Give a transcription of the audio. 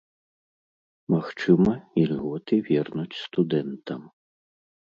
Магчыма, ільготы вернуць студэнтам.